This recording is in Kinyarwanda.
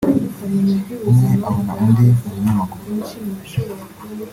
umwe abona undi mu binyamakuru